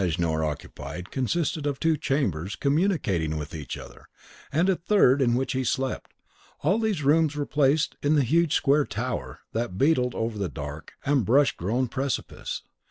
The rooms that Mejnour occupied consisted of two chambers communicating with each other, and a third in which he slept. All these rooms were placed in the huge square tower that beetled over the dark and bush grown precipice.